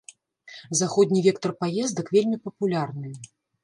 Заходні вектар паездак вельмі папулярны.